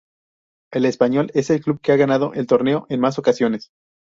El Español es el club que ha ganado el torneo en más ocasiones.